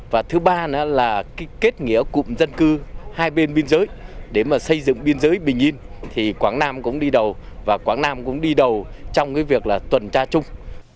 và thứ ba nữa là cái kết nghĩa cụm dân cư hai bên biên giới để mà xây dựng biên giới bình yên thì quảng nam cũng đi đầu và quảng nam cũng đi đầu trong cái việc là tuần tra chung